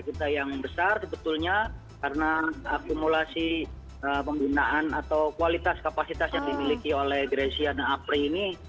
kita yang besar sebetulnya karena akumulasi penggunaan atau kualitas kapasitas yang dimiliki oleh grecia dan apri ini